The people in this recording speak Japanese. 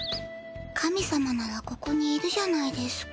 神様ならここにいるじゃないですか。